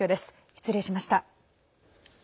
失礼しました。